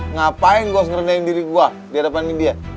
ngapain gue harus ngerenain diri gue di depan dia